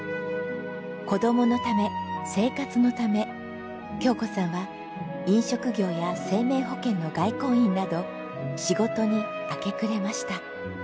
子供のため生活のため京子さんは飲食業や生命保険の外交員など仕事に明け暮れました。